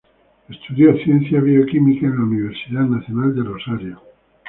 Estudió Ciencias Bioquímicas en la Universidad Nacional de Rosario.